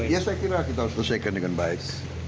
ya saya kira kita harus selesaikan dengan baik